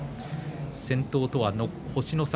先頭とは星の差